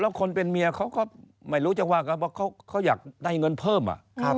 แล้วคนเป็นเมียเขาก็ไม่รู้จังว่าเขาอยากได้เงินเพิ่มอ่ะ